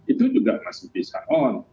itu juga masih bisa on